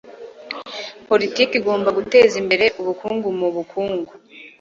politiki igomba guteza imbere ubukungu mu bukungu